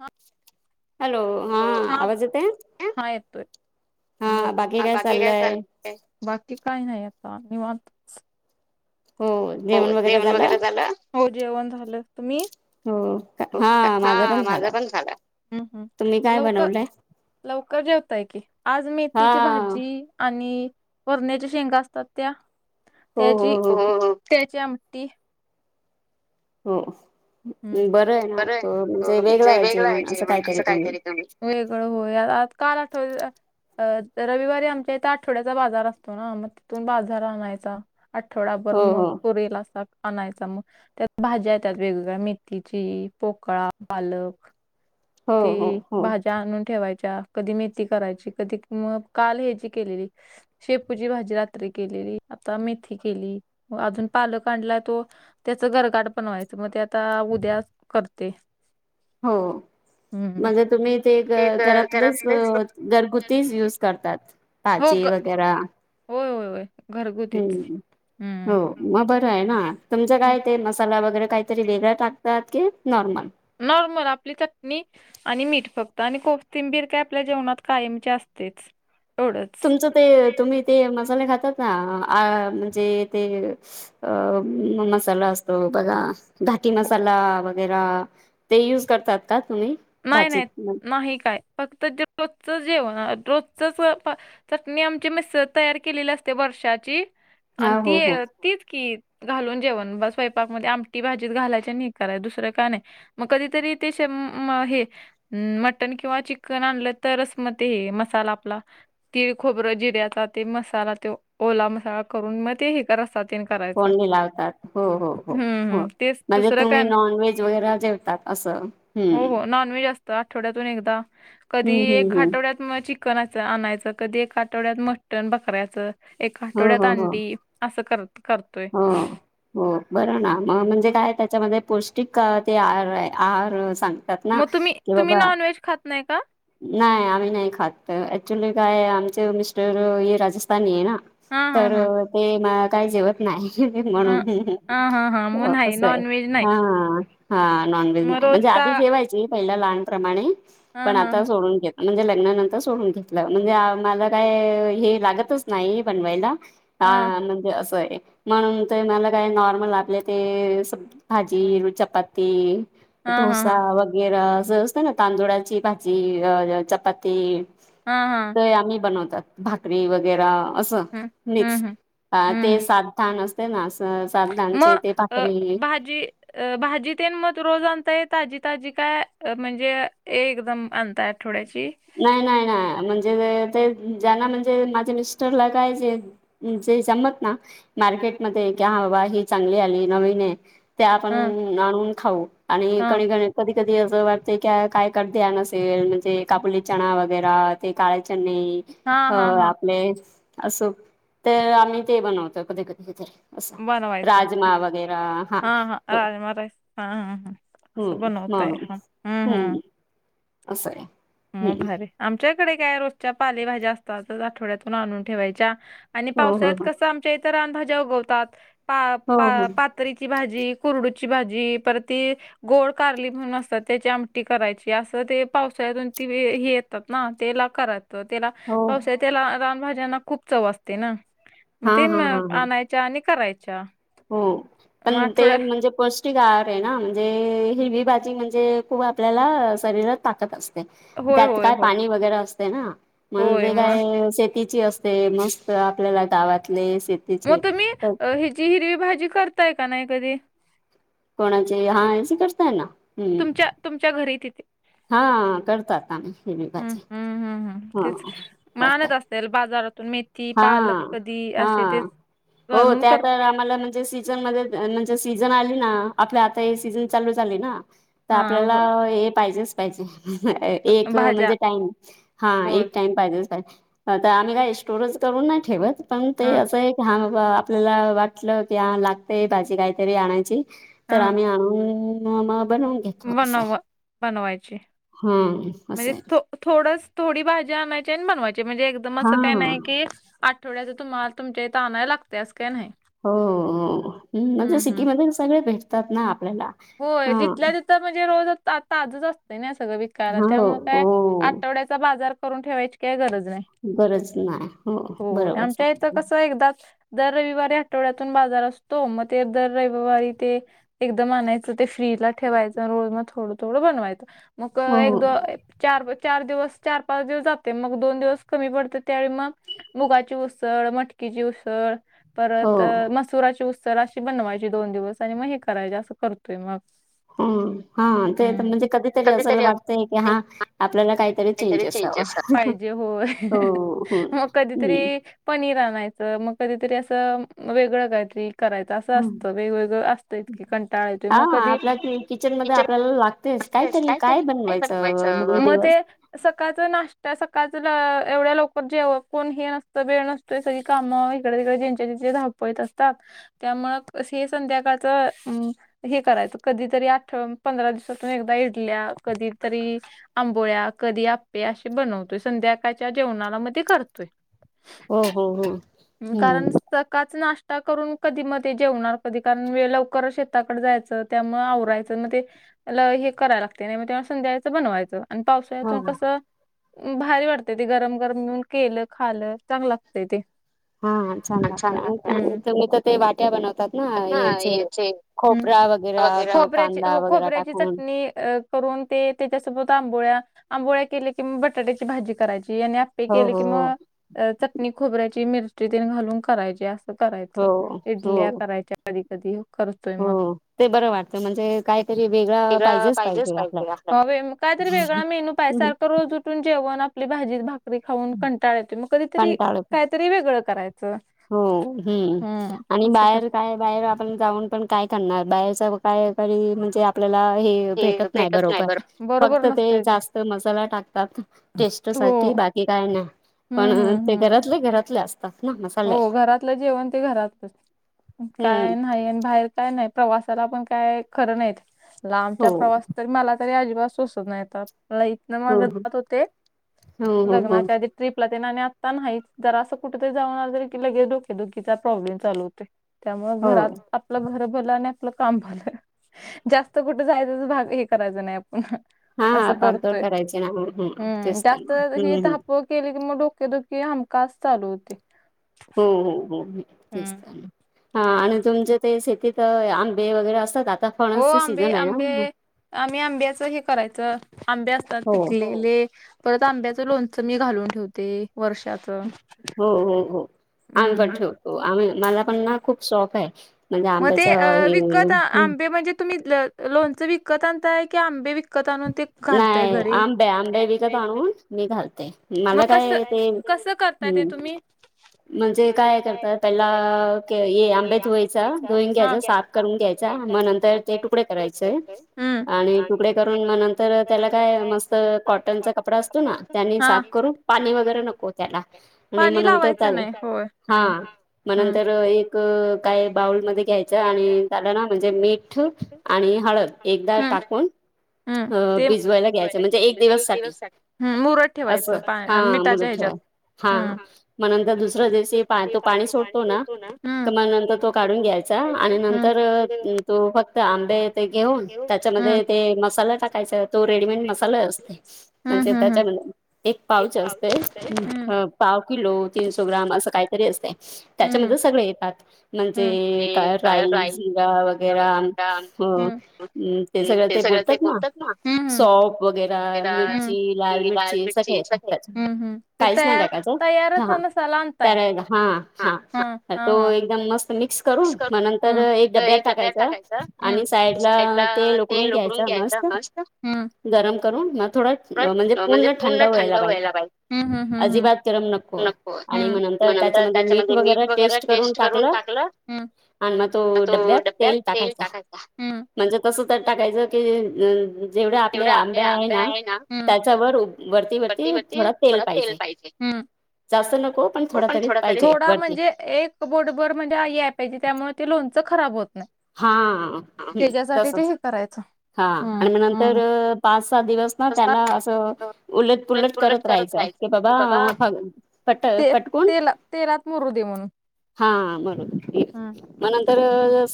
हा. हॅलो हा आवाज येतय बाकी काय चाललंय. बाकी काय नाय आता निवांतच. हो जेवण वगैरे झालं हो जेवण झालं तुम्ही? हा माझं पण झालं म लवकर लवकर जेवताय की आज मेथीची भाजी आणि वरण्याच्या शेंगा असतात त्या त्याची त्याची आमटी. हो बरं आहे ना तो म्हणजे वेगळा आहे जेवण असं कायतरी तुम्ही. वेगळं होय आता का आठवल. अ रविवारी आमच्या इथं आठवड्याचा बाजार असतो ना म तिथून बाजार आणायचा. आठवडाभर मग पुरेल असा आणायचा मग त्यात भाज्या येतात वेग. मेथीची पोकळा पालक ती भाजी. त्या आणून ठेवायच्या काल मेथी केलेली म आज ह्याची केलेली. शेपूची भाजी रात्री केलेली, आता मेथी केली, अजून पालक आणला तो त्याचं घरकाठ बनवायचं, मग ते आता उद्याच करते. हो, म्हणजे तुम्ही ते घा, घरातलेच घरगुतीच यूज करतात पाची वैगरा. होय, होय, होय. हम्म, हो. मग बरं आहे ना तुमचं काय ते मसाला वगैरे काय तरी, वेगळा टाकतात की नॉर्मल? नॉर्मल आपली चटणी आणि मीठ फक्त आणि कोथिंबीर काय आपल्या जेवणात कायमचे असतेच एवढंच. तुमचं ते तुम्ही ते मसाले खातात ना अ म्हणजे ते अ मसाला असतो बघा. घाटी मसाला वगैरा ते युज करतात का तुम्ही? नाही नाही. नाही काय, फक्त रोजच जेवण रोजचच अ चटणी आमची मिस्स तयार केलेली असते वर्षाची आणि ती तीच की घालून जेवण स्वयंपाकमध्ये आमटी भाजीत घालायच्या नाही कराय दुसरं काय नाय. मग कधीतरी ते शेम म हे मटण किंवा चिकन आणलं तरच म ते हे मसाला आपला तीळ, खोबरं, जिऱ्याचा ते मसाला त्यो ओला मसाला करून मग ते हे फोडणी लावतात हो हो हो हो म्हणजे तुम्ही नॉन व्हेज वगैर जेवतात असं हो हो नॉन व्हेज असत आठवड्यातून एकदा कधी एक हाठवड्यात म चिकनाचं आणायचं, कधी एक आठवड्यात मटन बकरायचं, एक आठवड्यात अंडी असं करत हो हो बरं ना मग म्हणजे काय त्याच्यामध्ये पौष्टिक ते आहार आहे आहार सांग मग तुम्ही तुम्ही नॉन व्हेज खात नाय का? नाही आम्ही नाही खात ऍक्च्युली काय आमचे मिस्टर हे राजस्थानी आहे ना तर ते नाय काय जेवत नाही मी म्हणून हम्म हम्म असं आहे हा. हा नॉन व्हेज नाही म्हणजे आधी जेवायची पहिल्या लहानप्रमाणे पण आता सोडून घेत म्हणजे लग्नानंतर सोडून घेतलं म्हणजे मला काय हे लागतच नाही बनवायला हा म्हणजे असं आहे म्हणून ते मला काय नॉर्मल आपले ते स भाजी रु चपाती ढोसा वगैरे असं असतं ना तांदुळाची भाजी अ चपाती ते आम्ही बनवतात भाकरी वगैरा असं मिक्स ते सात धान अस ते ना असं सातधाणचे ते पाखरी हा जे अ भाजीतेन म तु रोज आणताय ताजी-ताजी काय म्हणजे एकदम आणताय आठवड्याची नाय नाय नाय म्हणजे ते ज्यांना म्हणजे माझे मिस्टरला काय जे जे जमत ना मार्केटमध्ये की हा बाबा ही चांगली आली नवीन आहे त्या आपण आणून खाऊ आणि कणी गणी कधी कधी असं वाटतंय की काय कडध्यान असेल म्हणजे कापुले चणा वगैर ते काळे चणी अ आपले असो तर आम्ही ते बनवतो कधी कधीतरी. असा राजमा वगैर हा तो. हम्म म हम्म असं आहे. म भारी आमच्याकडे काय रोजच्या पालेभाज्या असतातच आठवड्यातून आणून ठेवायच्या आणि पावसळ्यात कसं आमच्या इथं रानभाज्या उगवतात पा पा पात त्रीची भाजी कुरडूची भाजी परती गोड कारली म्हणून असतात त्याची आमटी करायची असं ते पावसाळ्यातून ती वी हे येतात ना तेला करायच त्याला पावसा त्याला रानभज्यांना खूप चव अस ते ना मग ते म आणायच्या आणि करायच्या. हो पण ते म्हणजे पौष टिक आहार आहे ना म्हणजे हिरवी भाजी म्हणजे खूप आपल्याला शरीरात ताकत अस ते त्यात काय पाणी वगैरे असते ना म्हणजे काय से तीची असते मस्त आपल्याला गावातले से मग तुम्ही हिची हिरवी भाजी करताय का नाही कधी? कोणाचे हा या करताय ना तुमच्या तुमच्या घरी तिथे हा करतात आम्ही हिरवी भाजी. तेच मग आणत असतील बाजारात. हा हा हो त्या तर आम्हाला म्हणजेसी जर मध्ये, म्हणजे सीझन आली ना आपल्या आता हे सीझन चालू झाले ना. तर आपल्याला हे पाहिजेच पाहिजे. एक म्हणजे टाइम हा एक टाइम पाहिजेच पाहिजे तर आम्ही काय? टूरज करून नाही ठेवत पण ते असं एक हा बाबा आपल्याला वाटलं की हा लागतय बाजी काहीतरी आणायची तर आम्ह आणू बात बनवून येतो असय हा असं आहे. थोडस थोडी बाजीया आणायची आणि बनवायची म्हणजे एकदमच असं काय नाही की थोड्यासे तुम्हा तुमचे इथं आणायला लागते अस काय नाय हो, हो हो. म्हणजे सिटीमधील सगळे भेटतात ना आपल्याला होय तितल्या ति तर म्हणजे रोज ता ताजच असतेय ना सगळं विक कायला खरं त्यांना आता आठवड्याचा बाजार करून ठेवायची काही गरज नाही. हो आमच्या इथं कसं एकदाच दर रविवारी आठवड्यातून बाजार असतो मग ते दर रविवारी ते एकदम आणाय ते फ्रीज ला ठेवायचं रोज मग थोडं थोडं बनवायचं मग तेव्हा एक दो चार चार दिवस चार पाच दिवस जाते मग दोन दिवस कमी पडते त्यावेळी मग मुगाची उसळ मटकीची उसळ परत मसुराची उसळ अशी बनवायची दोन दिवस आणि मग हे करायची असं करतोय मग ह हा ते पण म्हणजे कधीतरी अस वाटतंय की हा आपल्याला काहीतरी काय तरी चेंजेस पाहिजे होय मग कधीतरी पनीर आणायचं मग कधीतरी असं वेगळं काहीतरी कराय तसं असतं वेगवेगळं असतं इतके कंटाळ येत मग कधी बनयच मग ते सकाळच नाश्ता सकाळच ल एवढ्या लोक जेव कोण हे नसतं बेळ नसतं तय सगळी कामं इकडे तिकडे ज्यांच्या जचे धाव पळीत असतात त्यामुळं हे संध्याकाळचं अं हे करायचं कधीतरी आठ पंधरा दिवसातून एकदा इडल्या कधीतरी आंबोळ्या कधी अप्पे अशी बनवतोय संध्याकाळच्या जेवणाला मग ते करतोय हो हो हो म कारण स सकाच नाश्ता करून कधी म ते जेवणार कधी कारण वेळ लवकर शेताकडे जायचं. त्यामुळ आवराायचं मग ते लय हे करायला लागते नाही मग तेंव्हा संध्याकाळच बनवायचं आणि पावसाळ्याच कसं. भारी वाटतेय ते गरम गरम येऊन केलं खाल चांग लागतेय ते हो छान लागते आणि म तर ते वाट्या बनवतात ना याचे खोपरा वगैरा क कांदा वगैरा टाकून करून ते त्याच्यासोबत आंबोळ्या आंबोळ्या केले की बटाट्याची भाजी करायची आणि या है केले की मग अ चटणी खोबरायची मिरची त घालून करायची अस करायच इडल्या करायच्या कधी कधी करतोय मग वेगळा पाहिजेच पाहिजेना हा व्हय म काय तरी वेगळा मेनू पाहिजे सारखं रोज उठ टून जेवण आपली बाजी भाकरी खाऊन कंटाळ येते मग कधीतरी कायतरी वेगळं करायचं. हो हम्म आणि बाहेर काय बाहेर आ पण जाऊन पण काय करणार बाहेरचा काय तरी म्हणजे आपल्याला हे भेटत नाही दरोकर. फक्त ते जास्त मसाला टाकतात टेस्ट साठी बाकी काय नाय. पण ते घरातले घरातले असतात ना मस् हो हो घरातलं जेवण ते घरातच काय नाही आणि बाहेर काय नाही प्रवासाला पण काय खरं नाही ते लांबचा प्रवास तरी मलाच तरी आजिबात सोसुन येतात मला इथनं मग दाखवते लग्नाच्या आधी ट्रिपला तेन आणि आत्ता नाही जरा असं कुठेतरी जाऊणार की लगेच डोके दुखीचा प्रॉब्लेम चालू होतय. त्यामुळ घरात. आपलं घर भलं आणि आपलं काम भलं जास्त कुठे जायच तर बाहेर हे करायचं नाही. असं करतोय हम्म जास्त हे थापक केली की मग डोके दूखी हमकाच चालू होते. हो हो हो हम्म. आ आणि तुमचे ते शेतीत अ आंबे वगैरे असतात आता? हो आंबे-आंबे आम्ही आंबेयाचं हे करायचं आंबे असतात पिकलेले परत आंब्याचं लोणचं मी घालून ठेवते वर्षात. हो हो हो आम्ही पण ठेवतो आम्ही मला पण ना खूप शौक आहे. म ते अ विकत आंबे म्हणजे तुम्ही ल लोणचं विकत आणताय की आंबे विकत आणून ते नाही आंबे आंबे विकत आणून मी घालते मला काय ते हम्म. म्हणजे काय करतात त्याला के हे आंबे धुवायच तर धुऊन घ्यायच साफ करून घ्यायचा म नंतर ते तुकडे करायचे आणि टूकडे करून म नं तर त्याला काय मस्त कॉटनचा कपडा असतो ना त्यानी साफ करू पाणी वगैरे नको त्याला आणि नाही म नंतर प्यालो हा म नंतर एक काय बाऊलमध्ये घ्यायचं आणि त्याला ना म्हणजे मी ठं आणि हळद एकदा टाकून अ भिजवायला घ्यायचं म्हणजे एक दिवस साठी असं हा म्हणून ठेवाय हा म नंतर दुसरं दिवशी पा तो पाणी सोडतो ना क मंग नंतर तो काढून घ्याय चा आणि नंतर तो फक्त आंबे ते घेऊन त्याच्यामध्ये ते मसाला टाक तो रेडमेन्ट मसाला असते म्हणजे त्याच्यामध्ये एक पाऊच असते हा पाव किलो तीनसो ग्राम असं कायतरी असते त्याच्यामध्ये सगळे येतात. मंग ते काय राई, जिरा, वगैरा आणि ह ते सगळे ते बोलतात ना सॉपवगैरा मिरची, लाल मिरची सगळे एकातच काहीच नाही टाकायचं हा हा तर हा हा तो एकदम मस्त मिक्स करुन म नंतर एक डब्यात टाकायच आणि साईडला तेल उकडून घ्यायचं मस्त गरम करून म थोडं अ म्हणजे पूर्ण थंड व्हायला पाहिजे अजिबात गरम नको आहे आणि म नंतर त्याच्यामध्ये मीठ वगैरे टेस्ट करून टाकलं आणि म तो डब्यात तेल टाकायचं. म्हणजे तसं तर टाकायचं की जेवढे आपले आंबे आहे ना त्याच्यावर वरती-वरती थोडा तेल पाहिजे. जास्त नको पण थोड तरी पाहिजे वरती. बोर्डबर म्हणजे आ याप्याची त्यामुळे ते लोनचं खराब होत नाही. हा हम्म तसचं. करायचं. हा आणि म नंतर पाच-सहा दिवस ना त्यांना असं उलट पुलट करत राहायचं की बघा फ पट पटकून हा मरू एक म नंतर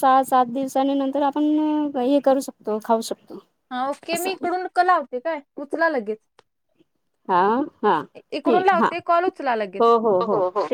सहा-सात दिवसानीं नंतर आपण हे करू शकतो खाऊ शकतो. हा ओके मी इकडून क लावते काय उचला लगेच. इकडून लावते कॉल उचला लगेच. हो, हो.